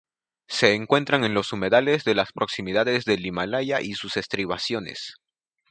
Se encuentra en los humedales de las proximidades del Himalaya y sus estribaciones.